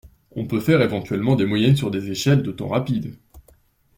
on peut faire éventuellement des moyennes sur des échelles de temps rapides